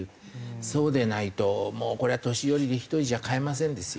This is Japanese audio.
そうでないともうこれは年寄り１人じゃ飼えませんですよ。